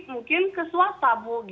mungkin ke swasta bu